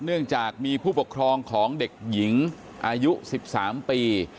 เนื่องจากมีผู้ปกครองของเด็กหญิงอายุ๑๓ปี